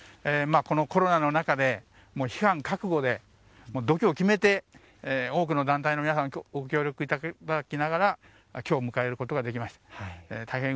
このコロナの中で批判覚悟で度胸を決めて多くの団体の皆さんのご協力をいただきながら今日を迎えることができました。